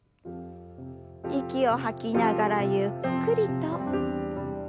息を吐きながらゆっくりと。